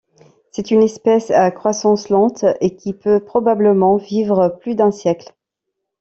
C'est une espèce à croissance lente, et qui peut probablement vivre plus d'un siècle.